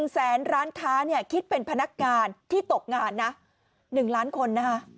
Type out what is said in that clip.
๑แสนร้านค้าคิดเป็นพนักงานที่ตกงาน๑ล้านคน